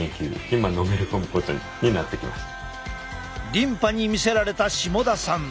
リンパに魅せられた下田さん。